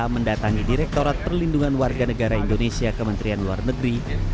mendatangi direktorat perlindungan warga negara indonesia kementerian luar negeri